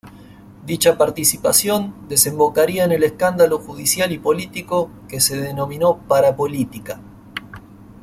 Dicha participación desembocaría en el escándalo judicial y político que se denominó Parapolítica.